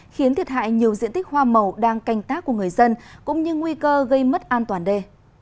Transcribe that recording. khiến thiệt hại nhiều diện tích hoa màu đang canh tác của người dân cũng như nguy cơ gây mất an toàn đê